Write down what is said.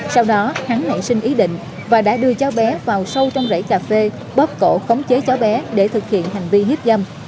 sau đó hắn nảy sinh ý định và đã đưa cháu bé vào sâu trong rẫy cà phê bóp cổ khống chế cháu bé để thực hiện hành vi hiếp dâm